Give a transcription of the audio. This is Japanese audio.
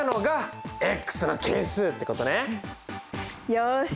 よし。